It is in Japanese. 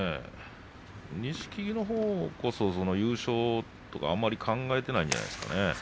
錦木のほうこそ優勝とかあまり考えていないんじゃないですかね。